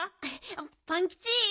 パンキチ。